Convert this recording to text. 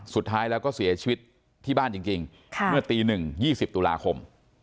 สุดท้ายแล้วก็เสียชีวิตที่บ้านจริงเมื่อตี๑๒๐ตุลาคม